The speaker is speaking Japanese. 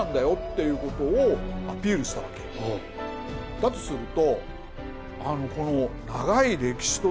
だとすると。